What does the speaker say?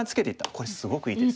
これすごくいい手です。